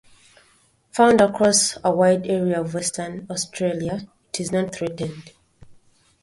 Found across a wide area of Western Australia, it is not threatened.